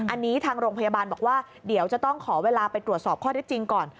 อันนี้ทางโรงพยาบาลบอกว่าเดี๋ยวจะต้องขอเวลาไปตรวจสอบข้อได้จริงก่อน